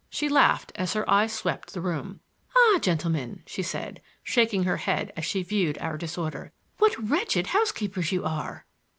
She laughed as her eyes swept the room. "Ah, gentlemen," she said, shaking her head, as she viewed our disorder, "what wretched housekeepers you are!"